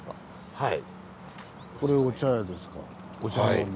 はい。